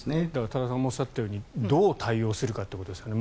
多田さんもおっしゃったようにどう対応するかということですね